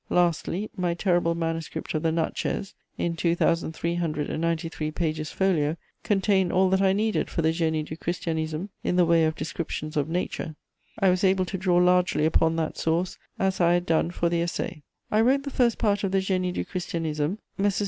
Lastly, my terrible manuscript of the Natchez, in 2393 pages folio, contained all that I needed for the Génie du Christianisme in the way of descriptions of nature; I was able to draw largely upon that source, as I had done for the Essai. I wrote the first part of the Génie du Christianisme. Messrs.